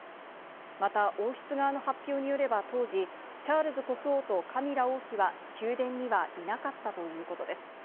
また王室側の発表によれば当時、チャールズ国王とカミラ王妃は、宮殿にはいなかったということです。